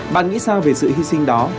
bạn nghĩ sao về sự hy sinh đó